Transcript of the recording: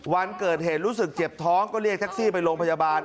วันเกิดเหตุรู้สึกเจ็บท้องก็เรียกแท็กซี่ไปโรงพยาบาล